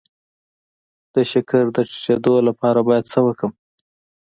د شکر د ټیټیدو لپاره باید څه وکړم؟